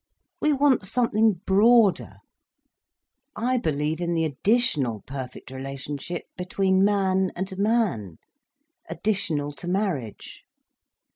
We want something broader. I believe in the additional perfect relationship between man and man—additional to marriage."